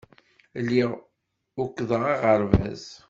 Lliɣ ukḍeɣ aɣerbaz.